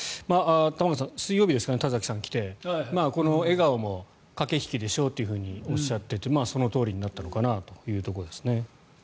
玉川さん、水曜日ですかね田崎さんが来てこの笑顔も駆け引きでしょうとおっしゃっていてそのとおりになったのかなというところですね。